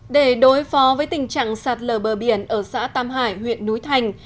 để đối phó với tình trạng sạt lở bờ biển ở xã tam hải huyện núi thành